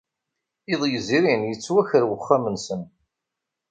Iḍ yezrin, yettwaker wexxam-nsen.